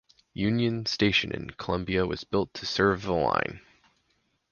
Union Station in Columbia was built to serve the line.